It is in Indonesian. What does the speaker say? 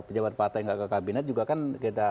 pejabat partai nggak ke kabinet juga kan kita